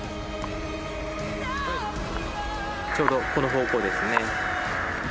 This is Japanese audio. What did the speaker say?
ちょうどこの方向ですね。